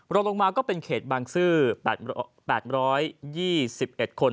ลงมาก็เป็นเขตบางซื่อ๘๒๑คน